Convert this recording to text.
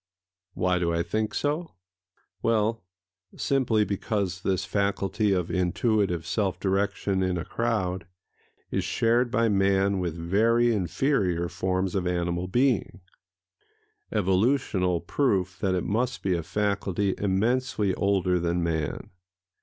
Why do I think so? Well, simply because this faculty of intuitive [Pg 210] self direction in a crowd is shared by man with very inferior forms of animal being,—evolutional proof that it must be a faculty immensely older than man.